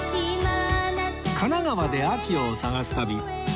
神奈川で秋を探す旅